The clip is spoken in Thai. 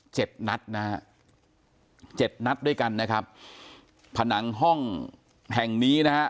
เจ็ดนัดนะฮะเจ็ดนัดด้วยกันนะครับผนังห้องแห่งนี้นะฮะ